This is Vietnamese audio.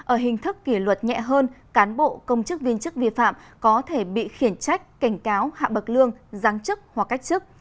ở hình thức kỷ luật nhẹ hơn cán bộ công chức viên chức vi phạm có thể bị khiển trách cảnh cáo hạ bậc lương giáng chức hoặc cách chức